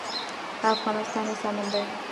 افغانستان اوس امن دی.